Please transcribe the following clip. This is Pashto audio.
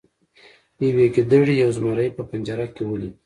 یوې ګیدړې یو زمری په پنجره کې ولید.